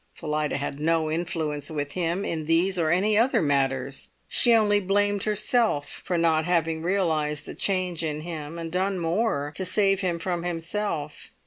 Phillida had no influence with him in these or any other matters. She only blamed herself for not having realised the change in him and done more to save him from himself.